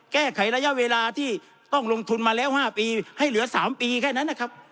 แก้ไขระยะเวลาที่ต้องลงทุนมาแล้ว๕ปีให้เหลือ๓ปีแค่นั้นนะครับ